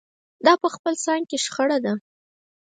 دا په خپل ځان کې شخړه ده.